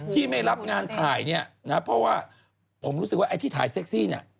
ที่ไม่รับงานถ่ายเนี่ยนะเพราะว่าผมรู้สึกว่าไอ้ที่ถ่ายเซ็กซี่เนี่ย